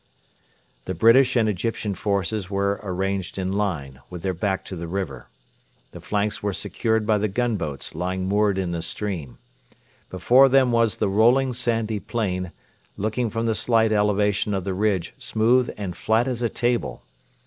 The British and Egyptian forces were arranged in line, with their back to the river. The flanks were secured by the gunboats lying moored in the stream. Before them was the rolling sandy plain, looking from the slight elevation of the ridge smooth and flat as a table.